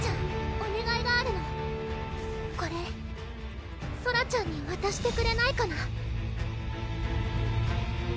おねがいがあるのこれソラちゃんにわたしてくれないかな？